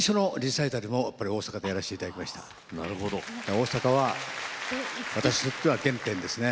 大阪は私にとって原点です。